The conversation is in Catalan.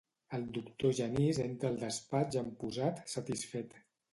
El doctor Genís entra al despatx amb posat satisfet.